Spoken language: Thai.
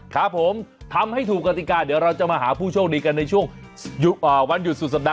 ครับผมทำให้ถูกกติกาเดี๋ยวเราจะมาหาผู้โชคดีกันในช่วงวันหยุดสุดสัปดาห